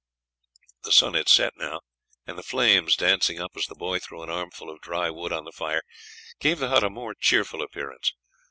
The sun had set now, and the flames, dancing up as the boy threw an armful of dry wood on the fire, gave the hut a more cheerful appearance.